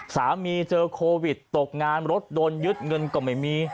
สามีเจอโควิดตกงานรถโดนยึดเงินก็ไม่มี